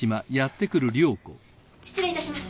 失礼いたします。